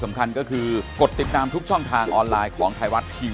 สำคัญก็คือกดติดตามทุกช่องทางออนไลน์ของไทยรัฐทีวี